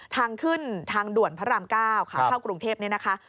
ทางขึ้นทางด่วนพระราม๙ขาเข้ากรุงเทพนี่นะคะ